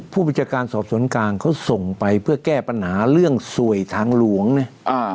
ผู้บัญชาการสอบสวนกลางเขาส่งไปเพื่อแก้ปัญหาเรื่องสวยทางหลวงเนี่ย